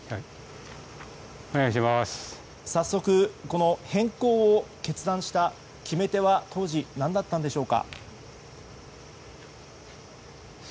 早速、変更を決断した決め手は当時、何だったんでしょうか？